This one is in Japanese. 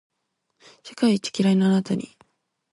世界一キライなあなたに